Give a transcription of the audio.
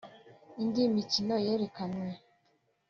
Indi mikino yerekanywe